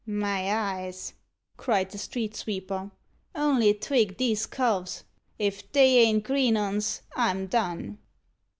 "My eyes!" cried the street sweeper, "only twig these coves. If they ain't green 'uns, I'm done."